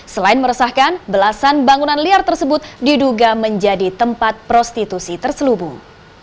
selain meresahkan belasan bangunan liar tersebut diduga menjadi tempat prostitusi terselubung